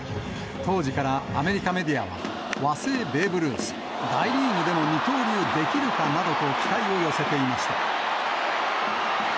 当時からアメリカメディアは、和製ベーブ・ルース、大リーグでも二刀流できるかなどと期待を寄せていました。